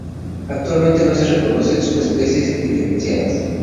Actualmente no se reconocen subespecies diferenciadas.